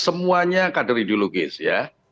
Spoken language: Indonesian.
semuanya kader ideologis ya